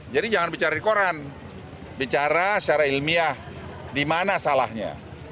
jadi jangan bicara di koran bicara secara ilmiah di mana salahnya